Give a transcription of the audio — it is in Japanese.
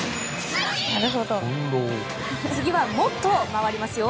次はもっと回りますよ。